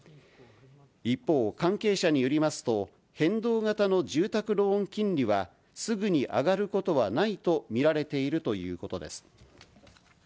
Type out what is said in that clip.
一方、関係者によりますと、変動型の住宅ローン金利はすぐに上がることはないと見られているということです。